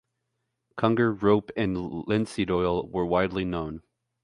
Kungur rope and linseed oil were widely known.